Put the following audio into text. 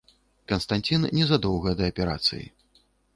Канстанцін незадоўга да аперацыі.